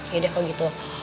ya udah kalau gitu